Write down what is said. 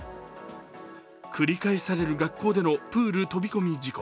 繰り返される学校でのプール飛び込み事故。